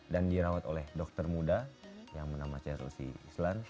dan dirawat oleh dokter muda yang bernama chelsea islan